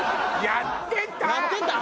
やってた？